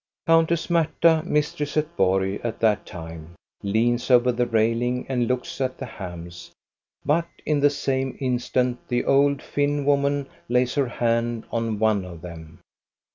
Countess Marta, mistress at Borg at that time, leans over the railing and looks at the hams, but in the same instant the old Finn woman lays her hand on one of them.